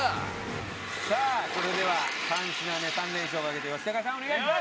さあそれでは３品目３連勝をかけて吉高さんお願いします！